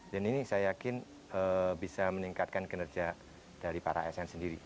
dan ini saya yakin bisa meningkatkan kinerja dari para sn sendiri